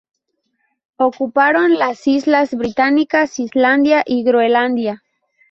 Ocuparon las islas británicas, Islandia y Groenlandia.